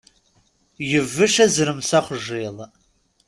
Yenbec azrem s axjiḍ.